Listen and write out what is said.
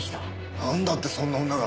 なんだってそんな女が？